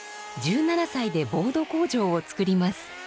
１７歳でボード工場を作ります。